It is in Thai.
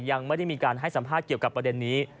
ยังไม่ได้มีการให้สัมภาษณ์เกี่ยวกับประเด็นนี้